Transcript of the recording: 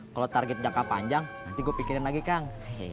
kalau target jangka panjang nanti gue pikirin lagi kang